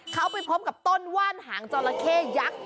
เขาไปพบกับต้นว่านหางจอละเข้ยักษ์